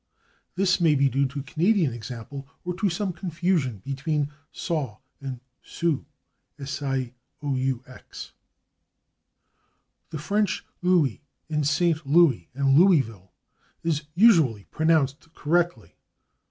This may be due to Canadian example, or to some confusion between /Sault/ and /Sioux/. The French /Louis/, in /St. Louis/ and /Louisville/, is usually pronounced correctly.